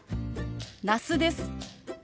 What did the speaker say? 那須です。